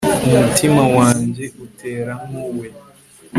umutima wanjye utera nk' uwe